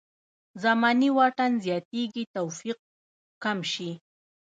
زماني واټن زیاتېږي توفیق کم شي.